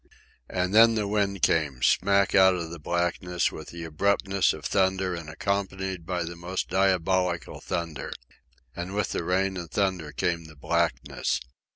And then the wind came, smack out of the blackness, with the abruptness of thunder and accompanied by the most diabolical thunder. And with the rain and thunder came the blackness.